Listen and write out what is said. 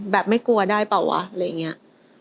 ไม่กลัวได้เปล่าวะอะไรอย่างนี้